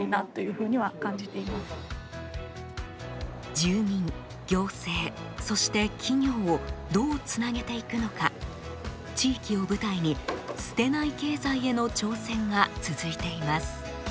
住民行政そして企業をどうつなげていくのか地域を舞台に「捨てない経済」への挑戦が続いています。